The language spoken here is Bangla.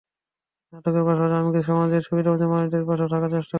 নাটকের পাশাপাশি আমি কিছু সমাজের সুবিধাবঞ্চিত মানুষদের পাশেও থাকার চেষ্টা করছি।